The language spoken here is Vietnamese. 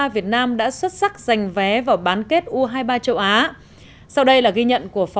việt nam rất là vui định